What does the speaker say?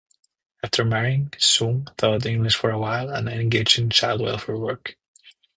After marrying, Soong taught English for a while and engaged in child welfare work.